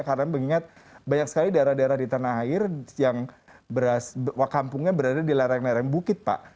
karena mengingat banyak sekali daerah daerah di tanah air yang wakampungnya berada di lereng lereng bukit pak